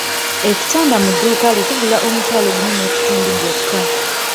Ekitanda mu dduuka lye kigula omutwalo gumu n'ekitundu gwokka.